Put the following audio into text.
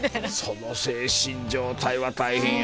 その精神状態は大変や。